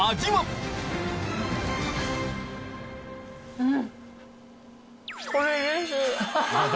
うん！